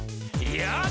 「よし！」